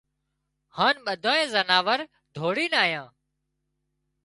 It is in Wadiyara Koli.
هانَ ٻڌانئي زناور ڌوڙينَ آيان